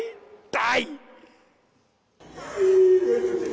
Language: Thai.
พ่อพอแล้วเดี๋ยวพ่อจะลม